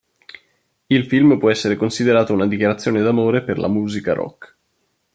Il film può essere considerato una dichiarazione d'amore per la musica rock.